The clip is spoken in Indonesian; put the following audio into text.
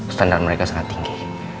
standar mereka sangat tinggi